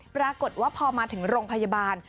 ปรากฏว่าพอมาถึงโรงพยาบาล